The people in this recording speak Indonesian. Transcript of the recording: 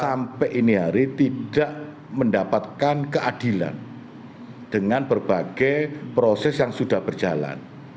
sampai ini hari tidak mendapatkan keadilan dengan berbagai proses yang sudah berjalan